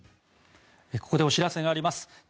ここでお知らせがあります。